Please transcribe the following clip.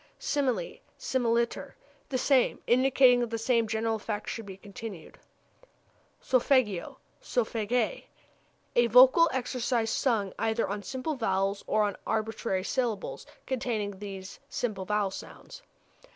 Simile, similiter the same; indicating that the same general effect is to be continued. Solfeggio, solfège a vocal exercise sung either on simple vowels or on arbitrary syllables containing these simple vowel sounds.